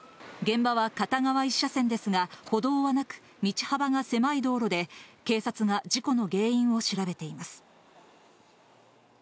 現場は片側１車線でしたが、歩道はなく、道幅が狭い道路で、警察が事故の原因を調べています。